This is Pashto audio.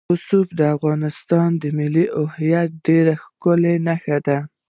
رسوب د افغانستان د ملي هویت یوه ډېره ښکاره نښه ده.